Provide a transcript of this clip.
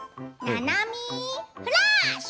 「ななみフラッシュ」。